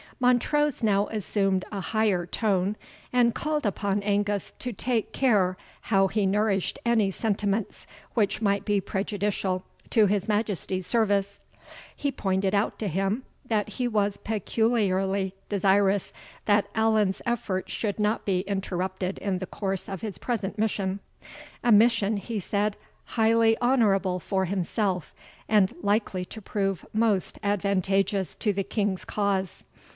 Montrose now assumed a higher tone, and called upon Angus to take care how he nourished any sentiments which might be prejudicial to his Majesty's service. He pointed out to him, that he was peculiarly desirous that Allan's efforts should not be interrupted in the course of his present mission; "a mission," he said, "highly honourable for himself, and likely to prove most advantageous to the King's cause.